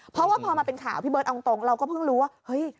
เพราะว่าพอมาเป็นข่าวพี่เบิร์ดเอาตรงเราก็เพิ่งรู้ว่าเฮ้ย